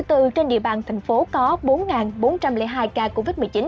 trên địa bàn thành phố có bốn bốn trăm linh hai ca covid một mươi chín